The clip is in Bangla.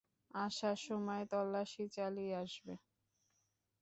আসার সময় তল্লাশি চালিয়ে আসবে।